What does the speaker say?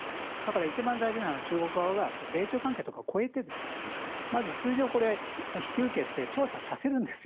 一番大事なのは中国側が米朝関係を超えて一度引き受けて調査させるんですよ